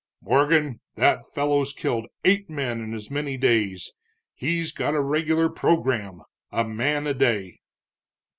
"Morgan, that fellow's killed eight men in as many days! He's got a regular program a man a day."